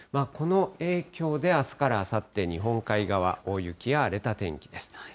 この影響で、あすからあさって、日本海側、大雪や荒れた天気です。